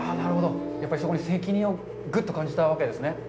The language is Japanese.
やっぱりそこに責任をぐっと感じたわけですね。